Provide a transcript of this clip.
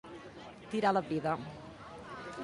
Tirar la brida.